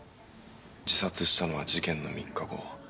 自殺したのは事件の３日後。